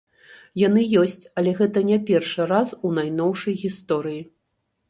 Яны ёсць, але гэта не першы раз у найноўшай гісторыі.